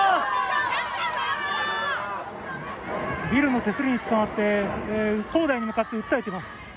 ビルの手すりにつかまって恒大に向かって訴えています。